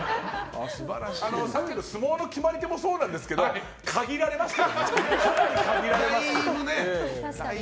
さっきの相撲の決まり手もそうですけど限られますよね。